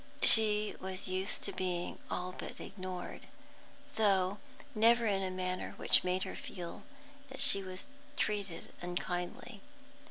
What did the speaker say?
She was used to being all but ignored, though never in a manner which made her feel that she was treated unkindly.